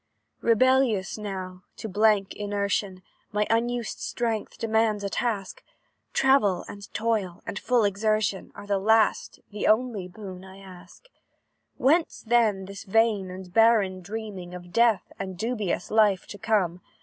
"Rebellious now to blank inertion, My unused strength demands a task; Travel, and toil, and full exertion, Are the last, only boon I ask. "Whence, then, this vain and barren dreaming Of death, and dubious life to come?